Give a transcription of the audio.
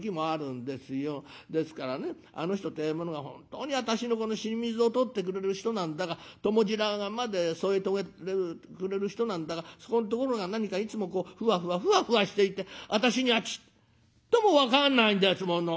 ですからねあの人ってえものが本当に私の死に水を取ってくれる人なんだか共白髪まで添え遂げてくれる人なんだかそこんところが何かいつもこうふわふわふわふわしていて私にはちっとも分かんないんですもの」。